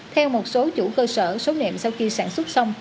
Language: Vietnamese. theo một số chủ cơ sở số nẹm sau khi sản xuất xong